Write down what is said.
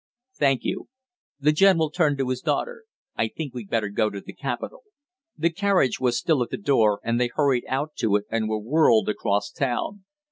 "Thank you." The general turned to his daughter. "I think we'd better go to the capitol." The carriage was still at the door and they hurried out to it and were whirled across town.